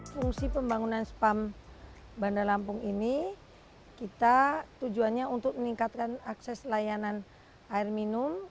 fungsi pembangunan spam bandar lampung ini kita tujuannya untuk meningkatkan akses layanan air minum